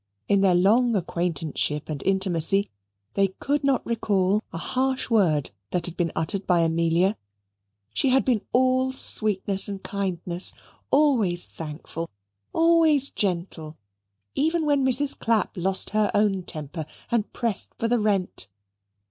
In their long acquaintanceship and intimacy they could not recall a harsh word that had been uttered by Amelia. She had been all sweetness and kindness, always thankful, always gentle, even when Mrs. Clapp lost her own temper and pressed for the rent.